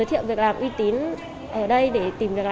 thế nên là em đã đến